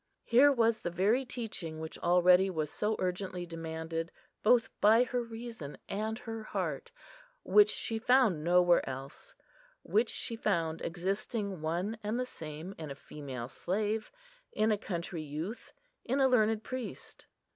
Here was the very teaching which already was so urgently demanded both by her reason and her heart, which she found nowhere else; which she found existing one and the same in a female slave, in a country youth, in a learned priest.